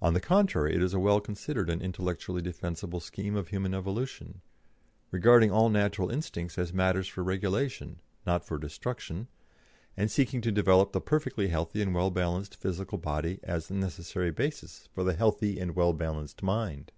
On the contrary, it is a well considered and intellectually defensible scheme of human evolution, regarding all natural instincts as matters for regulation, not for destruction, and seeking to develop the perfectly healthy and well balanced physical body as the necessary basis for the healthy and well balanced mind.